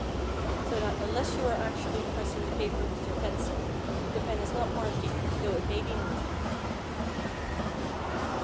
So that unless you are actually pressing the paper with your pencil, the pen is not marking, though it may be moving.